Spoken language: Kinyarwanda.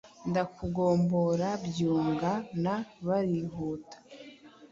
Ndakugombora byunga na barihuta,